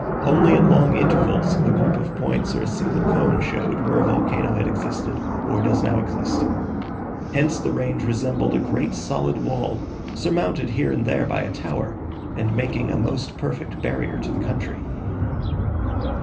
Only at long intervals, a group of points or a single cone showed where a volcano had existed, or does now exist. Hence the range resembled a great solid wall, surmounted here and there by a tower, and making a most perfect barrier to the country.